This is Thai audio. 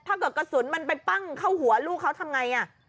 ถ้าเกิดกระสุนมันไปปั้งเข้าหัวลูกเขาทำไงอ่ะ